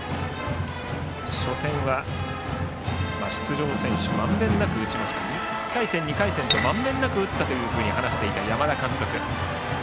東邦は出場選手が１回戦、２回戦とまんべんなく打ったと話していた山田監督。